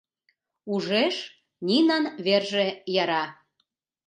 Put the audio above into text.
Ужеш: Нинан верже яра.